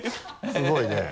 すごいね。